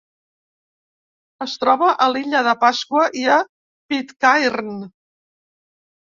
Es troba a l'Illa de Pasqua i a Pitcairn.